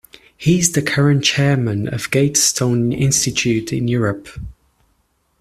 He's the current Chairman of Gatestone Institute in Europe.